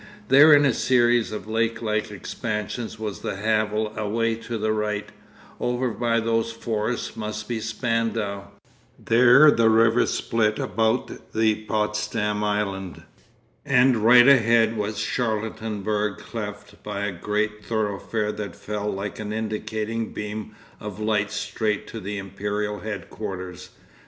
There in a series of lake like expansions was the Havel away to the right; over by those forests must be Spandau; there the river split about the Potsdam island; and right ahead was Charlottenburg cleft by a great thoroughfare that fell like an indicating beam of light straight to the imperial headquarters.